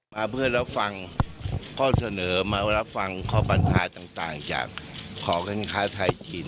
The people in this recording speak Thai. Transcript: มาเพื่อรับฟังข้อเสนอมารับฟังข้อปัญหาต่างจากหอการค้าไทยจีน